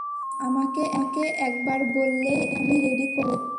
আমাকে একবার বললেই আমি রেডি করে দিতাম।